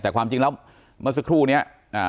แต่ความจริงแล้วเมื่อสักครู่นี้